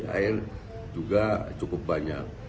air juga cukup banyak